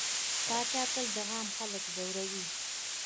پاچا تل عام خلک ځوروي.